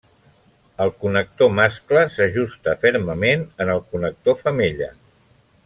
El connector mascle s'ajusta fermament en el connector femella.